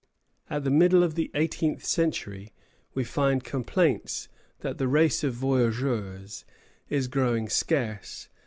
At the middle of the eighteenth century we find complaints that the race of voyageurs is growing scarce.